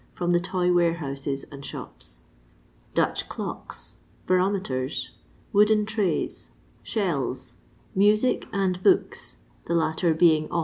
from the toy warehouses and shops ; Dutch clocks ; baro meters; wooden tiays; shells; music and books (the latter being ohta.